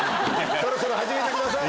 そろそろ始めてください。